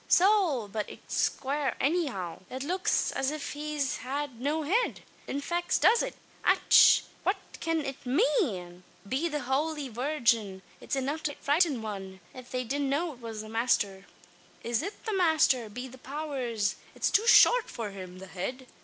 "Sowl! but it's quare anyhow. It looks as if he had no head. In faix does it! Ach! what cyan it mane? Be the Howly Virgin! it's enough to frighten wan, av they didn't know it was the masther! "Is it the masther? Be the powers, it's too short for him! The head?